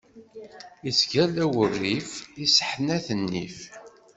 Ittgalla wurif, isseḥnat nnif.